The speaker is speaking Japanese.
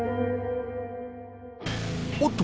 おっと！